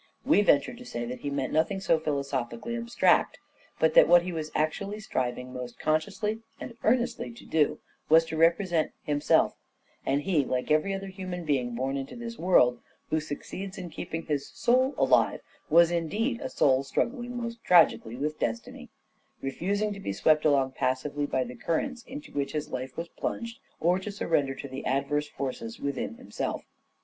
We venture to say that he meant nothing so philosophically abstract; but that what he was actually striving most consciously and earnestly to do, was to represent himself ; and he, like every other human being born into this world who succeeds in keeping his soul alive, was indeed a soul struggling most tragically with Destiny ; refusing to be swept along passively by the currents into which his life was plunged or to surrender to the adverse forces within himself.